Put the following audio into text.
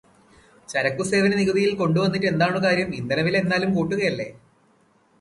ചരക്കുസേവനനികുതിയിൽ കൊണ്ടു വന്നിട്ടെന്താണു കാര്യം, ഇന്ധനവില എന്നാലും കൂട്ടുകയല്ലേ?